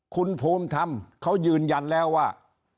คุณภูมิธรรมเขายืนยันแล้วว่า